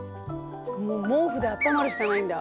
もう毛布であったまるしかないんだ。